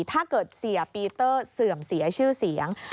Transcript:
ถ้าเกิดเสียปีเตอร์เสื่อมเสียชื่อเสียง